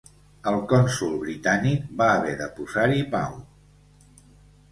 El cònsol britànic va haver de posar-hi pau.